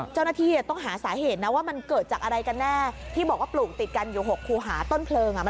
เจ้าหน้าที่ต้องหาสาเหตุนะว่ามันเกิดจากอะไรกันแน่ที่บอกว่าปลูกติดกันอยู่๖คูหาต้นเพลิง